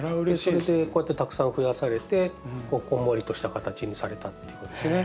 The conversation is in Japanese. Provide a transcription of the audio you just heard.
それでこうやってたくさん増やされてこんもりとした形にされたっていうことですね。